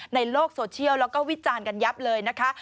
ในโลกโซเชียลแล้วก็วิจารณ์กันยับเลยนะคะ